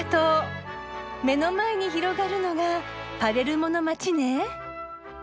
目の前に広がるのがパレルモの街ね。